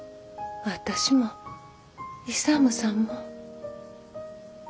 私も勇さんも。